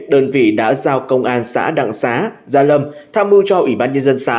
đơn vị đã giao công an xã đặng xá gia lâm tham mưu cho ủy ban nhân dân xã